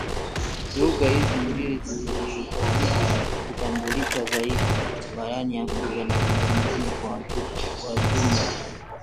Lugha hizi mbili zitazidi kutambulika zaidi barani Afrika na ulimwenguni kwa jumla